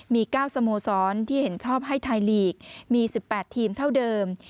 มี๙สโมสรที่เห็นชอบให้ไทยลีกมี๑๘ทีมเท่าเดิม